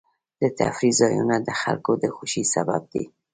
د تفریح ځایونه د خلکو د خوښۍ سبب دي.